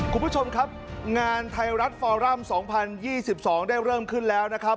คุณผู้ชมครับงานไทยรัฐฟอรัม๒๐๒๒ได้เริ่มขึ้นแล้วนะครับ